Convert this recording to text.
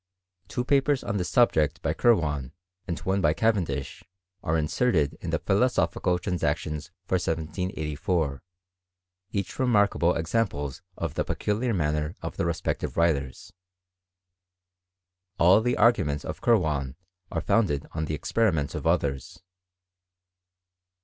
Two papers on this subject by Kirwan, and one by Cavendish, are inserted in the Philosophical Transactions for 1784, each remarkable examples of the peculiar manner of the respective writers; All the arguments of Kirwan are founded tOL the experiments ^f others.